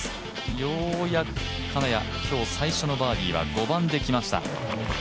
ようやく金谷、今日、最初のバーディーは５番できました。